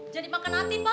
jadi makan nanti pak